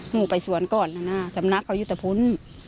มูงไปสวนก่อนนะน่ะสำนักเขาอยู่แต่ฟุ้น